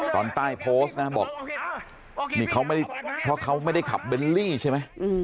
ตอนใต้โพสต์นะบอกเพราะเขาไม่ได้ขับเบลลี่ใช่ไหม